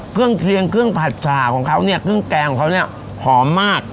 เครื่องเคียงเครื่องผัดฉาของเขาเนี่ยเครื่องแกงของเขาเนี่ยหอมมาก